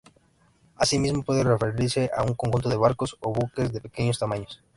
Asimismo puede referirse a un conjunto de barcos o buques de pequeño tamaño.